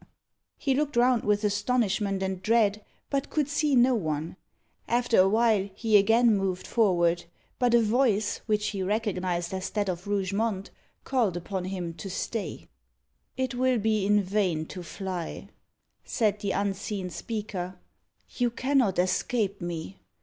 He looked round with astonishment and dread, but could see no one. After a while, he again moved forward, but a voice, which he recognised as that of Rougemont, called upon him to stay. "It will be in vain to fly," said the unseen speaker. "You cannot escape me.